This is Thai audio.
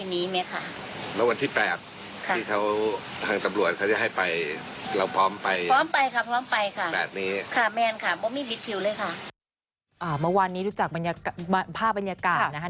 เมื่อวานนี้รู้จักภาพบรรยากาศนะคะ